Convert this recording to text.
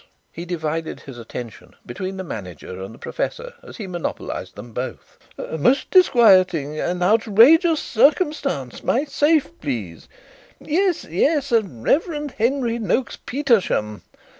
He divided his attention between the manager and the professor as he monopolized them both. "A most disquieting and and outrageous circumstance. My safe, please yes, yes, Rev. Henry Noakes Petersham.